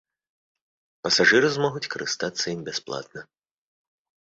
Пасажыры змогуць карыстацца ім бясплатна.